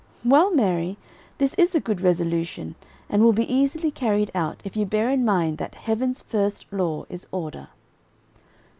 "Well, Mary, this is a good resolution and will be easily carried out, if you bear in mind that, 'Heaven's first law is order.'"